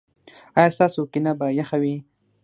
ایا ستاسو کینه به یخه وي؟